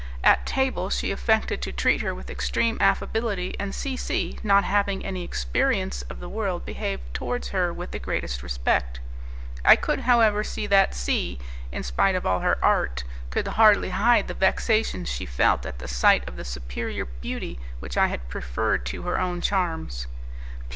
At table she affected to treat her with extreme affability, and C C not having any experience of the world behaved towards her with the greatest respect. I could, however, see that C , in spite of all her art, could hardly hide the vexation she felt at the sight of the superior beauty which I had preferred to her own charms.